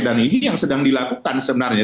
dan ini yang sedang dilakukan sebenarnya